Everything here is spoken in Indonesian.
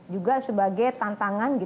juga sebagai tantangan